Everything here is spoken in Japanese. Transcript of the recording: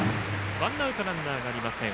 ワンアウトランナーがありません。